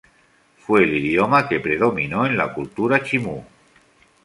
Fue el idioma que predominó en la cultura chimú.